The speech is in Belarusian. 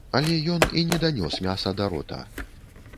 Але ён і не данёс мяса да рота.